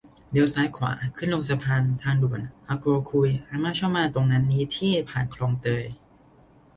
เลี้ยวซ้ายขวา ขึ้นลงสะพาน ทางด่วน อาโกวคุยอาม่าชอบมาตรงนั้นนี้ที่ผ่าน คลองเตย